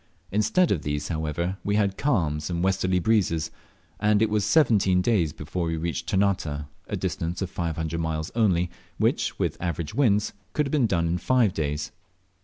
Instead of these, however, we had calms and westerly breezes, and it was seventeen days before we reached Ternate, a distance of five hundred miles only, which, with average winds, could have been done in five days.